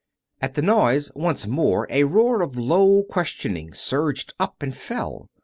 At the noise once more a roar of low questioning surged up and fell.